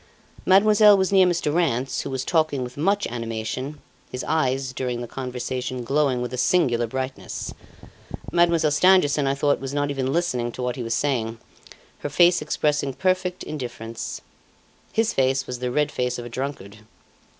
Mademoiselle was near Mr. Rance, who was talking with much animation, his eyes, during the conversation, glowing with a singular brightness. Mademoiselle Stangerson, I thought, was not even listening to what he was saying, her face expressing perfect indifference. His face was the red face of a drunkard.